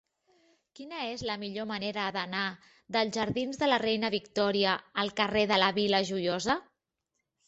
Quina és la millor manera d'anar dels jardins de la Reina Victòria al carrer de la Vila Joiosa?